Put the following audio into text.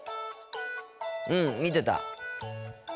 うん見てた。